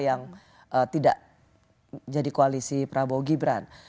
yang tidak jadi koalisi prabowo gibran